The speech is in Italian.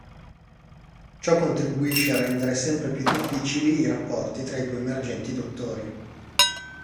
Ciò contribuisce a rendere sempre più difficili i rapporti tra i due emergenti dottori.